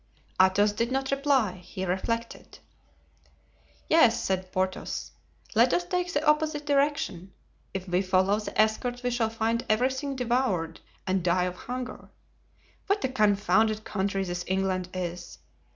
Athos did not reply; he reflected. "Yes," said Porthos, "let us take the opposite direction; if we follow the escort we shall find everything devoured and die of hunger. What a confounded country this England is!